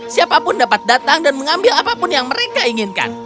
siapapun dapat datang dan mengambil apapun yang mereka inginkan